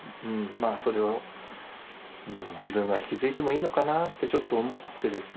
まあそれを自分が引き継いでもいいのかなってちょっと思ってですね